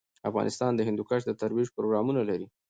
افغانستان د هندوکش د ترویج پروګرامونه لري.